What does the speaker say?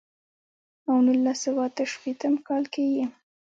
او نولس سوه اتۀ شپېتم کال کښې ئې